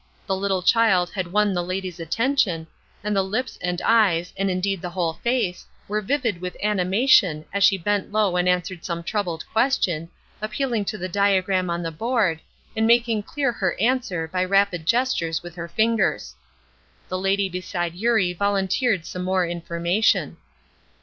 The little child had won the lady's attention; and the lips and eyes, and indeed the whole face, were vivid with animation as she bent low and answered some troubled question, appealing to the diagram on the board, and making clear her answer by rapid gestures with her fingers. The lady beside Eurie volunteered some more information.